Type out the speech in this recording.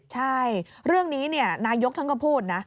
ใช่เรื่องนี้นายกทั้งความพูดนะ